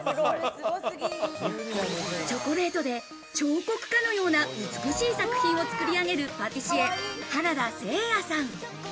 チョコレートで彫刻家のような美しい作品を作り上げる、パティシエ・原田誠也さん。